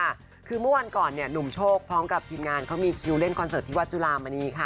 คือเมื่อวันก่อนเนี่ยหนุ่มโชคพร้อมกับทีมงานเขามีคิวเล่นคอนเสิร์ตที่วัดจุลามณีค่ะ